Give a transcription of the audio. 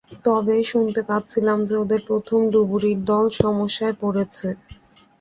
তবে শুনতে পাচ্ছিলাম যে ওদের প্রথম ডুবুরির দল সমস্যায় পড়েছে।